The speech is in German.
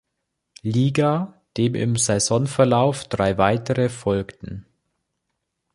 Liga, dem im Saisonverlauf drei weitere folgten.